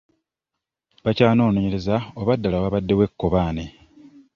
Bakyanoonyereza oba ddala waabaddewo ekkobaane.